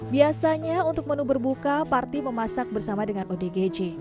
biasanya untuk menu berbuka parti memasak bersama dengan odgj